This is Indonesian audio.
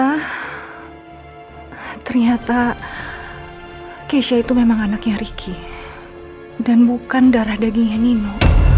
elsa ternyata keisha itu memang anaknya ricky dan bukan darah dagingnya nino